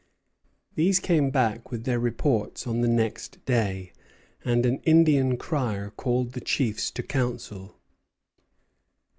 These came back with their reports on the next day, and an Indian crier called the chiefs to council.